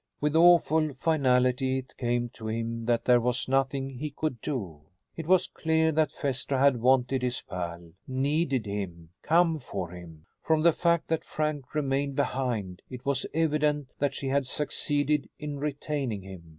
With awful finality it came to him that there was nothing he could do. It was clear that Phaestra had wanted his pal, needed him come for him. From the fact that Frank remained behind it was evident that she had succeeded in retaining him.